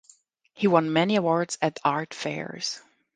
He won many awards at art fairs.